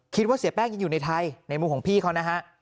เสียแป้งยังอยู่ในไทยในมุมของพี่เขานะฮะ